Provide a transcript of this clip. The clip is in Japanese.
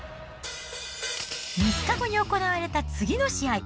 ３日後に行われた、次の試合。